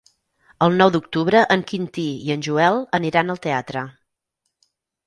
El nou d'octubre en Quintí i en Joel aniran al teatre.